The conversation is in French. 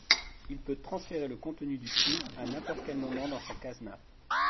Il peut transférer le contenu du tuz à n'importe quel moment dans sa kazna.